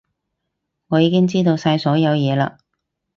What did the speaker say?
我已經知道晒所有嘢嘞